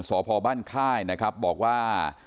สบค่ายนะครับบอกว่า